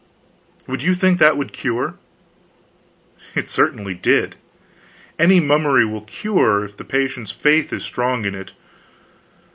Would you think that that would cure? It certainly did. Any mummery will cure if the patient's faith is strong in it.